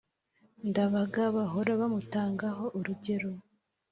Ndabaga bahora bamutangaho urugero